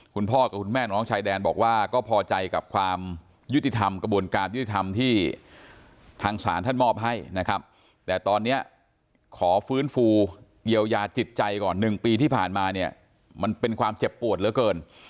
คุณพ่อกับคุณแม่น้องชายแดนบอกว่าก็พอใจกับความยุติธรรมกระบวนการยุติธรรมที่ทางศาลท่านมอบให้นะครับแต่ตอนนี้ขอฟื้นฟูเยียวยาจิตใจก่อน๑ปีที่ผ่านมาเนี่ยมันเป็นความเจ็บปวดเหลือเกิน